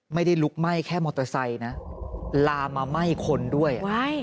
ลุกไหม้แค่มอเตอร์ไซค์นะลามาไหม้คนด้วย